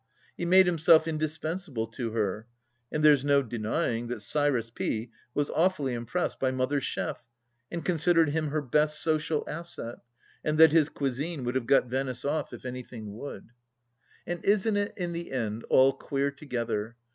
He made himself indispensable to her. And there's no denying that Cyrus P. was awfully impressed by Mother's chef, and considered him her best social asset, and that his cuisine would have got Venice off if anything would. THE LAST DITCH 18 And isn't it, in the end, all queer together